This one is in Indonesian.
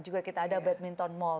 juga kita ada badminton mall